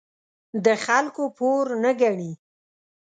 د خلکو پور نه ګڼي.